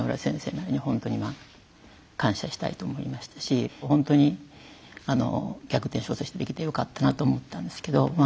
なりにほんとに感謝したいと思いましたしほんとに逆転勝訴できてよかったなと思ったんですけどまあ